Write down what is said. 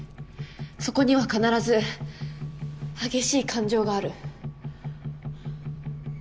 そこには必ず激しい感情がある。